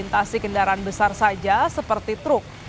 banyak yang terjadi kendaraan besar saja seperti truk